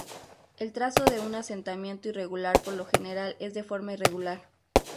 El trazo de un asentamiento irregular por lo general es de forma irregular.